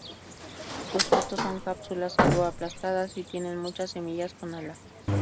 Los frutos son cápsulas algo aplastadas y tienen muchas semillas con alas.